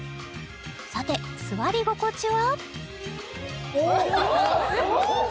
さて座り心地はおっ！